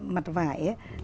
mặt vải ấy